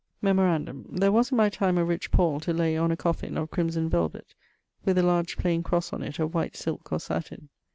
Memorandum: there was in my time a rich pall to lay on a coffin, of crimson velvet, with a large plaine crosse on it of white silke or sattin.